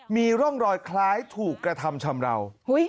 มีร่องรอยคล้ายถูกกระทำชำราว